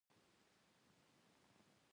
خلک اوس هم خبر نه دي، خلک وايي